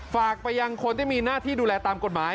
ฝากไปยังคนที่มีหน้าที่ดูแลตามกฎหมาย